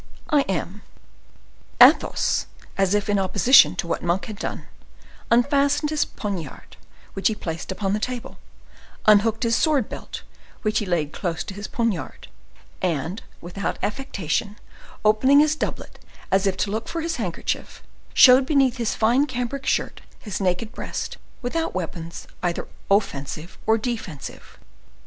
"I am." Athos, as if in opposition to what Monk had done, unfastened his poniard, which he placed upon the table; unhooked his sword belt, which he laid close to his poniard; and, without affectation, opening his doublet as if to look for his handkerchief, showed beneath his fine cambric shirt his naked breast, without weapons either offensive or defensive.